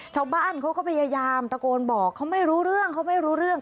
ชาวบ้านเขาก็พยายามตะโกนบอกเขาไม่รู้เรื่อง